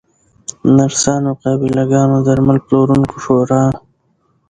نرسانو، قابله ګانو، درمل پلورونکو شورا